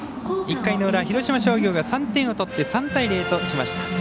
１回の裏、広島商業が３点を取って３対０としました。